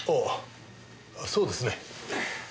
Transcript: ああそうですね。